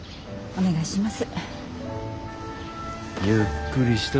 お願いします。